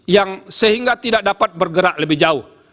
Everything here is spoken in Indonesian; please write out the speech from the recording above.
yang sehingga tidak dapat bergerak lebih jauh